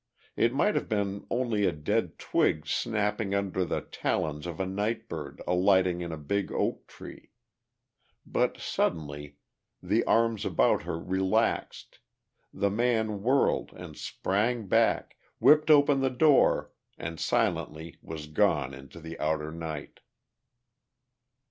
It might have been only a dead twig snapping under the talons of a night bird alighting in the big oak tree. But suddenly the arms about her relaxed, the man whirled and sprang back, whipped open the door and silently was gone into the outer night.